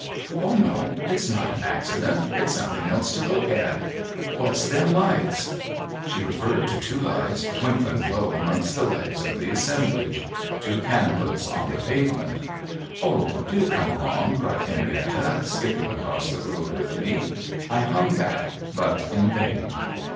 Oh no, it's not an accident, it's something else to look at ! What's them lights ?' She referred to two lights twinkling low amongst the legs of the assemblage : two candles on the pavement. ' Oh, do come along !' cried Henrietta, skipping across the road with me. I hung back, but in vain.